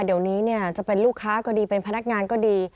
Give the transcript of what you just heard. เดี๋ยวนี้จะเป็นลูกค้าก็ดีเป็นพนักงานก็ดี